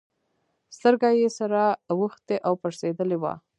سترگه يې سره اوښتې او پړسېدلې وه.